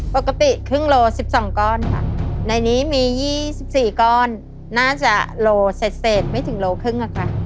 ปกติครึ่งโล๑๒ก้อนค่ะในนี้มี๒๔ก้อนน่าจะโลเศษไม่ถึงโลครึ่งอะค่ะ